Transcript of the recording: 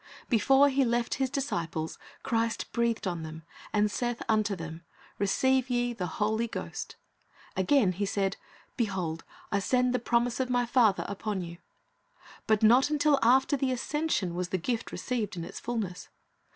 Before He left His disciples, Christ "breathed on them, and saith unto them, Receive ye the Holy Ghost." Again He said, "Behold, I send the promise of My Father upon you."^ But not until after the ascension was the gift received in its fulness.